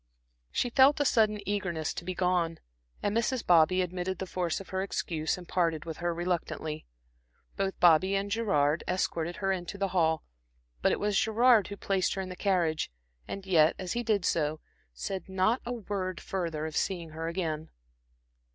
She felt a sudden eagerness to be gone, and Mrs. Bobby admitted the force of her excuse and parted with her reluctantly. Both Bobby and Gerard escorted her into the hall, but it was Gerard who placed her in the carriage, and yet, as he did so, said not a word further of seeing her again.